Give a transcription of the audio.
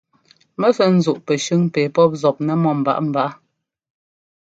Mɔ sɛ́ ńzúꞌ pɛshʉ́ŋ pɛ pɔ́p zɔpnɛ́ mɔ́ mbaꞌámbaꞌá.